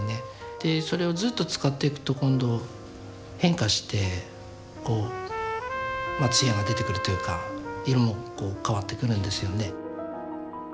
でそれをずっと使っていくと今度変化してこう艶が出てくるというか色もこう変わってくるんですよね。